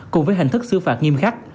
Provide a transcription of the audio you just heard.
cùng với hành thức xử phạt nghiêm khắc